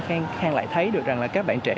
khang lại thấy được rằng là các bạn trẻ